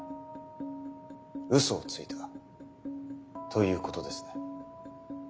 うそをついたということですね？